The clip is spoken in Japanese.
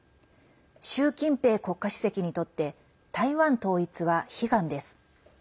習近平国家主席にとって台湾統一は悲願です。